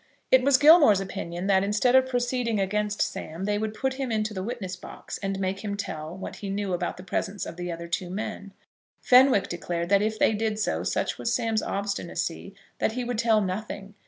It was Gilmore's opinion that, instead of proceeding against Sam, they would put him into the witness box and make him tell what he knew about the presence of the other two men. Fenwick declared that, if they did so, such was Sam's obstinacy that he would tell nothing.